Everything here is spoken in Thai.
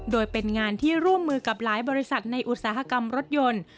โดยเป็นงานที่ร่วมมือกับหลายบริษัทในอุตสาหกรรมรถยนต์